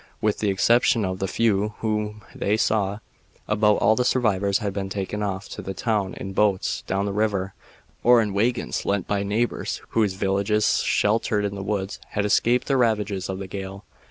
With the exception of the few whom they saw, about all the survivors had been taken off to the town in boats down the river, or in wagons lent by neighbors whose villages, sheltered in the woods, had escaped the ravages of the gale.